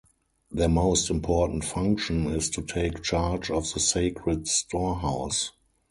Their most important function is to take charge of the sacred storehouse.